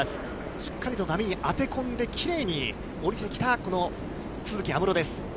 しっかりと波に当て込んできれいにおりてきた、この都筑有夢路です。